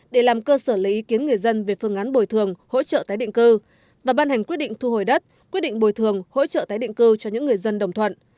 để làm cơ sở lấy ý kiến người dân về phương án bồi thường hỗ trợ tái định cư và ban hành quyết định thu hồi đất quyết định bồi thường hỗ trợ tái định cư cho những người dân đồng thuận